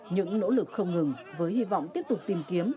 những nỗ lực không ngừng với hy vọng tiếp tục tìm kiếm